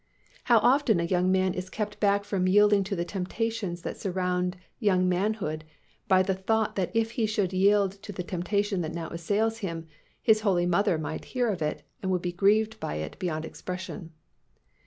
How often a young man is kept back from yielding to the temptations that surround young manhood by the thought that if he should yield to the temptation that now assails him, his holy mother might hear of it and would be grieved by it beyond expression.